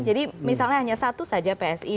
jadi misalnya hanya satu saja psi